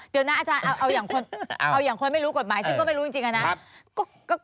เดี๋ยวนะอาจารย์เอาอย่างคนไม่รู้กฎหมายซึ่งก็ไม่รู้จริงอะนะ